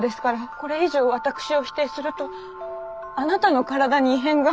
これ以上私を否定するとあなたの体に異変が。